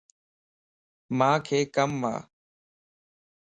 مانک ڪم ا